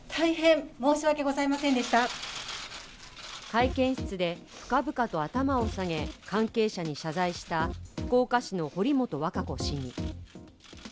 会見室で深々と頭を下げ、関係者に謝罪した福岡市の堀本和歌子市議。